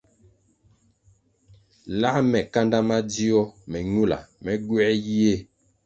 Lā me kanda madzio me ñula, me gywē yie.